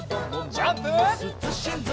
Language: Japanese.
ジャンプ！